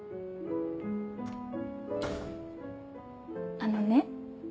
あのね。